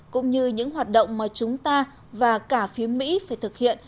cũng như những hoạt động mà chúng ta và cả phía mỹ phải thực hiện